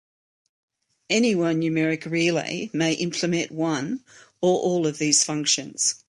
Any one numeric relay may implement one or all of these functions.